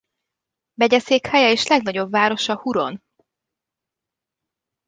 Megyeszékhelye és legnagyobb városa Huron.